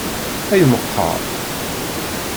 Ay meqqer!